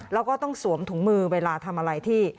แล้วก็ต้องสวมถุงมือเวลาทำอะไรที่